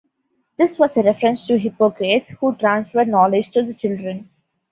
This was a reference to Hippocrates, who transferred knowledge to the children.